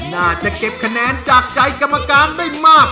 น่าจะเก็บคะแนนจากใจกรรมการได้มาก